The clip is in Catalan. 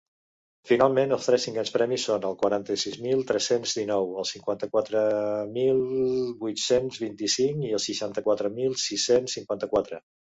Finalment, els tres cinquens premis són el quaranta-sis mil tres-cents dinou, el cinquanta-quatre mil vuit-cents vint-i-cinc i el seixanta-quatre mil sis-cents cinquanta-quatre.